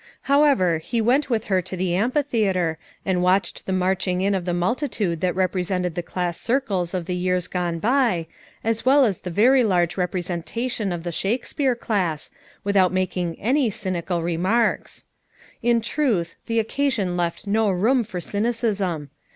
However, he went with her to the amphithea ter, and watched the marching in of the multi tude that represented the class circles of the years gone by, as well as the very large rep resentation of the Shakespeare class, without making any cynical remarks. In truth the oc casion left no room for cynicism.